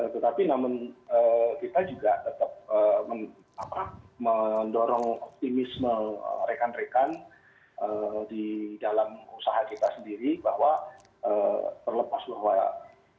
tetapi namun kita juga tetap mendorong optimisme rekan rekan di dalam usaha kita sendiri bahwa terlepas bahwa kita tidak usah terlalu terburu buru